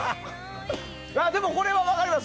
でもこれは分かります。